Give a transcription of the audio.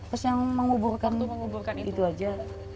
terus yang menguburkan itu aja